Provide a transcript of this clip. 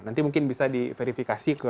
nanti mungkin bisa diverifikasi ke